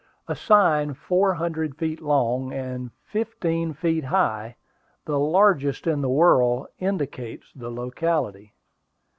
A sign four hundred feet long, and fifteen feet high, the largest in the world, indicates the locality.